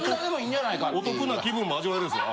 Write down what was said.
お得な気分も味わえるんですよ。